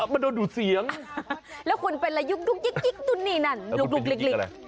มันโดนดูดเสียงแล้วคุณเป็นระยุกยิกนู่นนี่นั่นลูกลิก